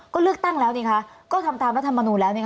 ก็เลือกตั้งแล้วก็ทำตามรัฐธรรมนูญแล้ว